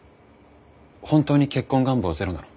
本当に結婚願望ゼロなの？